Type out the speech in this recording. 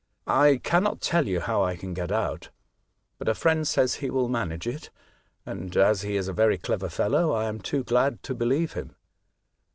" I cannot tell you how I can get out ; but a friend says he will manage it, and, as he is a very clever fellow, I am too glad to believe him."